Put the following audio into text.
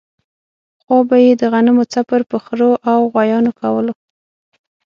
پخوا به یې د غنمو څپر په خرو او غوایانو کولو.